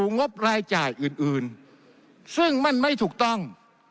งบรายจ่ายอื่นซึ่งมันไม่ถูกต้อง